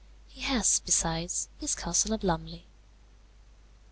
He has, besides, his castle of Lumley.